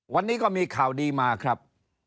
วันนี้ก็มีข่าวดีมาครับ